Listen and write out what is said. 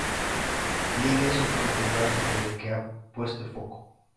Libia es otro lugar en el que ha puesto el foco.